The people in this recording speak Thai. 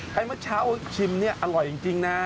ให้มันเช้าชิมนี่อร่อยจริงน่า